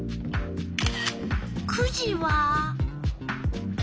９時は。